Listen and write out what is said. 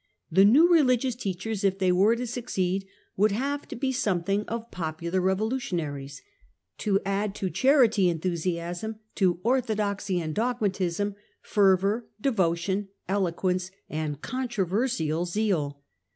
The new re ligious teachers, if they were to succeed, would have to be something of popular revolutionaries, to add to charity en thusiasm, to orthodoxy and dogmatism, fervour, devotion, eloquence and controversial zeal.